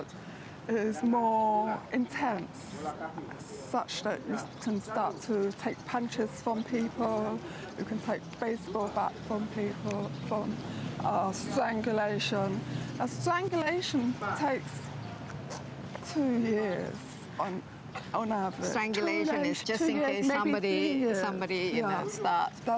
pembuatan pencaksulat hanya untuk jika seseorang mulai memasukkan tangan di atas jari anda